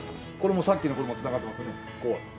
これもうさっきのこれもつながってますよね。